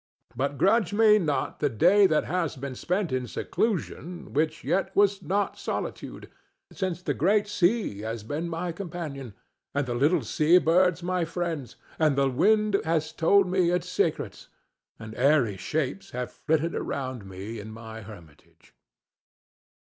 But grudge me not the day that has been spent in seclusion which yet was not solitude, since the great sea has been my companion, and the little sea birds my friends, and the wind has told me his secrets, and airy shapes have flitted around me in my hermitage.